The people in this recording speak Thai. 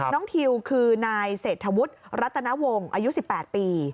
ทิวคือนายเศรษฐวุฒิรัตนวงศ์อายุ๑๘ปี